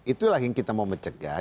itulah yang kita mau mencegah